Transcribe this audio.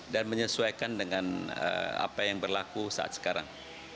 dan menyesuaikan dengan apa yang berlaku saat sekarang